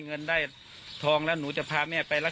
นี่โอ้โหนี่ค่ะ